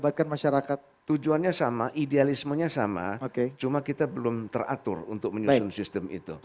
melibatkan masyarakat tujuannya sama idealismenya sama cuma kita belum teratur untuk menyusun sistem itu